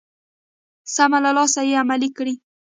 سم له لاسه يې عملي کړئ.